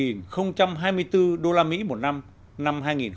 lên hai hai trăm linh usd một năm